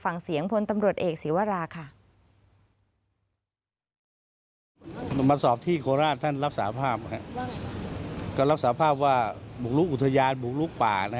ฟังเสียงพลตำรวจเอกศีวราค่ะ